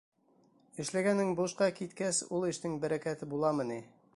Эшләгәнең бушҡа киткәс, ул эштең бәрәкәте буламы ни?